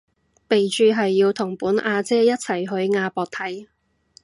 備註係要同本阿姐一齊去亞博睇